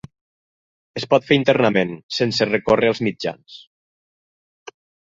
Es pot fer internament, sense recórrer als mitjans.